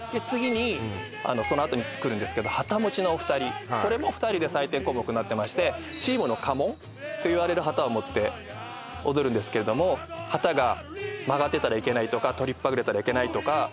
次にそのあとに来るんですけど旗持ちのお二人これも２人で採点項目になってましてチームの家紋といわれる旗を持って踊るんですけれども旗が曲がってたらいけないとか取りっぱぐれたらいけないとか